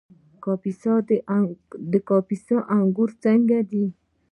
د کاپیسا انګور څنګه دي؟